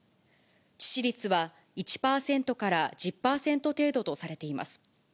致死率は１％から１０％程度とされています。